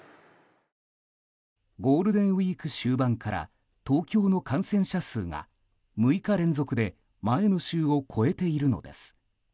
ゴールデンウィーク終盤から東京の感染者数が６日連続で前の週を超えているのです。